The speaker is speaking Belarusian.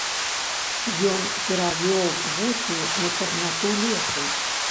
Ён перавёў вочы на чарнату лесу.